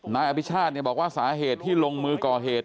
นายอภิชาติบอกว่าสาเหตุที่ลงมือก่อเหตุ